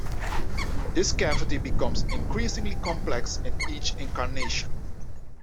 This cavity becomes increasingly complex in each incarnation.